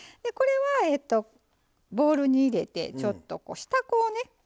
これはボウルに入れてちょっと下粉をね